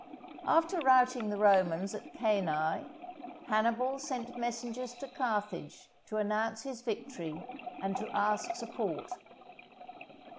After routing the Romans at Cannæ, Hannibal sent messengers to Carthage to announce his victory, and to ask support.